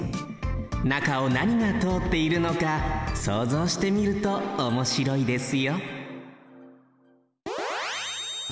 中をなにがとおっているのかそうぞうしてみるとおもしろいですよ